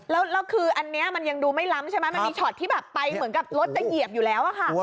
แล้วคืออันนี้มันยังดูไม่ล้ำใช่ไหมมันมีช็อตที่แบบไปเหมือนกับรถจะเหยียบอยู่แล้วอะค่ะ